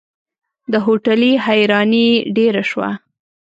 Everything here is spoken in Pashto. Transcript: د هوټلي حيراني ډېره شوه.